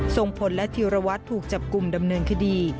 ส่งผลและธีรวัตรถูกจับกลุ่มดำเนินคดี